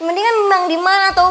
mendingan memang dimana tau